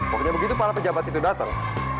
pokoknya begitu para pejabat itu datang